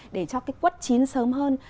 để cho cái quất chín sớm hơn